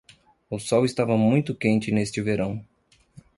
O sol estava muito quente neste verão.